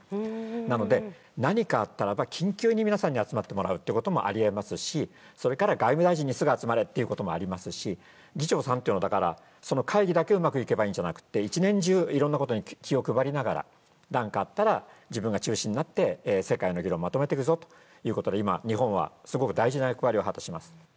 なので何かあったらば緊急に皆さんに集まってもらうってこともありえますしそれから外務大臣にすぐ集まれっていうこともありますし議長さんというのはだからその会議だけうまくいけばいいんじゃなくて１年中いろんなことに気を配りながら何かあったら自分が中心になって世界の議論をまとめていくぞということで今日本はすごく大事な役割を果たします。